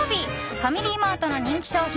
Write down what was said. ファミリーマートの人気商品